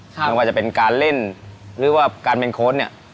ไม่ว่าจะเป็นการเล่นหรือว่าการเป็นโค้ดเนี่ย